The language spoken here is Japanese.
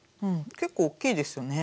結構大きいですよね。